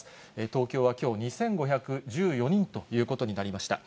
東京はきょう、２５１４人ということになりました。